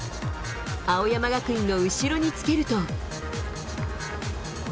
青山学院の後ろにつけると。